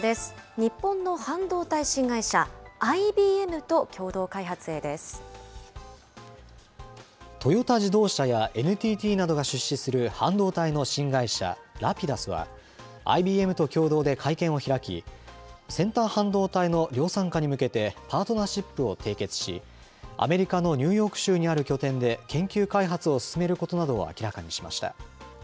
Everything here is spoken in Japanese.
日本の半導体新会社、ＩＢＭと共トヨタ自動車やＮＴＴなどが出資する半導体の新会社、Ｒａｐｉｄｕｓは、ＩＢＭと共同で会見を開き、先端半導体の量産化に向けて、パートナーシップを締結し、アメリカのニューヨーク州にある拠点で研究開発を進めることなどを明らかにしました。